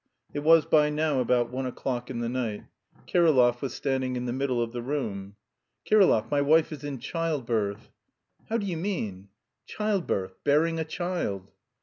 It was by now about one o'clock in the night. Kirillov was standing in the middle of the room. "Kirillov, my wife is in childbirth." "How do you mean?" "Childbirth, bearing a child!"